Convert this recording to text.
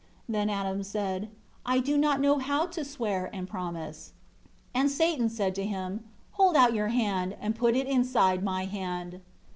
13 Then Adam said, "I do not know how to swear and promise." 14 And Satan said to him, "Hold out your hand, and put it inside my hand."